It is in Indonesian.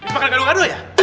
makan gaduh gaduh ya